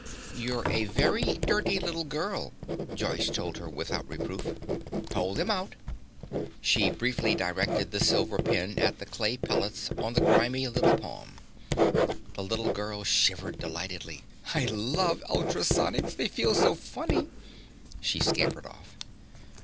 "You're a very dirty little girl," Joyce told her without reproof. "Hold them out." She briefly directed the silver pencil at the clay pellets on the grimy little palm. The little girl shivered delightedly. "I love ultrasonics, they feel so funny." She scampered off.